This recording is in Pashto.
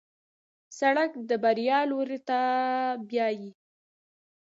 سړک د بریا لور ته بیایي.